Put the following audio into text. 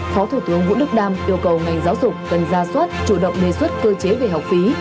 phó thủ tướng vũ đức đam yêu cầu ngành giáo dục cần ra soát chủ động đề xuất cơ chế về học phí